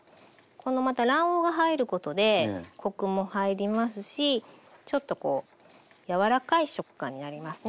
このまた卵黄が入ることでコクも入りますしちょっとこう柔らかい食感になりますね。